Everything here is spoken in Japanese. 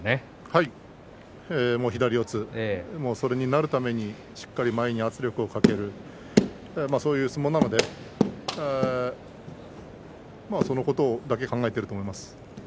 はい、左四つそれになるためにしっかり前に圧力をかけてそういう相撲なのでそのことだけ考えていると思います。